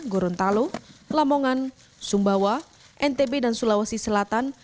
gorontalo lamongan sumbawa ntb dan sulawesi selatan